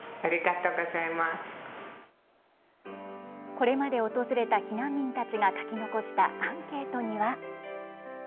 これまで訪れた避難民たちが書き残したアンケートには。